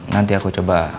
nanti aku coba